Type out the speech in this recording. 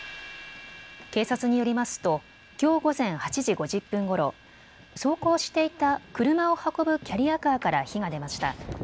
警察によりますときょう午前８時５０分ごろ走行していた車を運ぶキャリアカーから火が出ました。